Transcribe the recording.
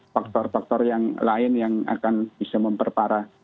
faktor faktor yang lain yang akan bisa memperparah